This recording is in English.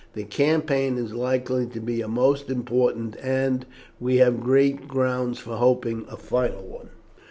The campaign is likely to be a most important, and we have great grounds for hoping a final one."